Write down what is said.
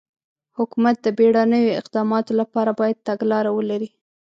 حکومت د بېړنیو اقداماتو لپاره باید تګلاره ولري.